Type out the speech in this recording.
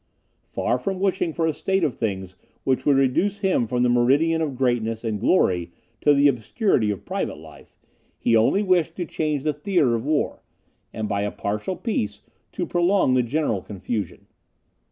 Far from wishing for a state of things which would reduce him from the meridian of greatness and glory to the obscurity of private life, he only wished to change the theatre of war, and by a partial peace to prolong the general confusion.